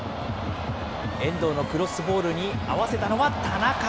遠藤のクロスボールに合わせたのは田中。